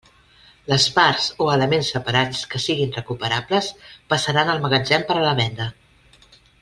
Les parts o elements separats que siguen recuperables passaran al magatzem per a la venda.